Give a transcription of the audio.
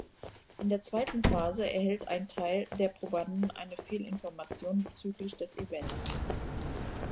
In der zweiten Phase erhält ein Teil der Probanden eine Fehlinformation bezüglich des Events.